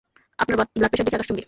আপনার blood pressure দেখি আকাশচুম্বী।